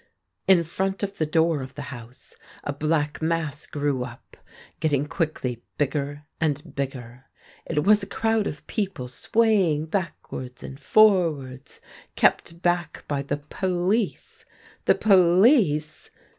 In front of the door of the house a black mass grew up, getting quickly bigger and bigger. It was a crowd of people swaying back wards and forwards, kej^t back by the police. The police